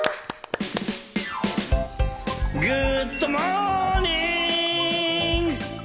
グッドモーニング！